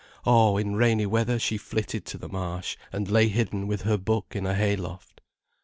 Oh, in rainy weather, she flitted to the Marsh, and lay hidden with her book in a hay loft.